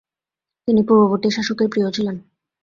তিনি পূর্ববর্তী শাসকের প্রিয় ছিলেন।